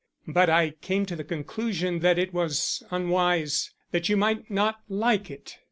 "But I came to the conclusion that it was unwise that you might not like it."